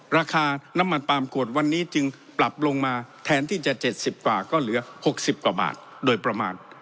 ราคาน้ำมันปาล์มขวดวันนี้จึงปรับลงมาแทนที่จะ๗๐กว่าก็เหลือ๖๐กว่าบาทโดยประมาณ